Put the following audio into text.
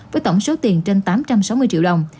với tổng số tiền trên tám trăm sáu mươi triệu đồng